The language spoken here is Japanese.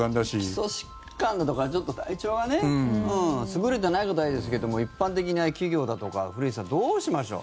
基礎疾患だとかちょっと体調が優れてない方はいいですけども一般的な企業だとか古市さん、どうしましょう。